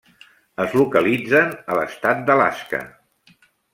Es localitzen a l'estat d'Alaska.